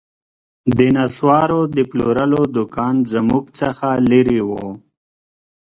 د نسوارو د پلورلو دوکان زموږ څخه لیري و